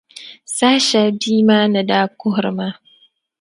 Saha shɛli bia maa ni daa kuhiri maa.